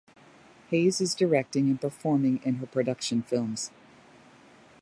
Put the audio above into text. Haze is directing and performing in her production films.